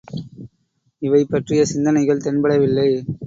இவை பற்றிய சிந்தனைகள் தென்படவில்லை.